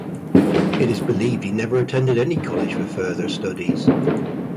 It is believed that he never attended any college for further studies.